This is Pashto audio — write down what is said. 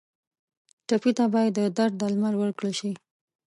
ټپي ته باید د درد درمل ورکړل شي.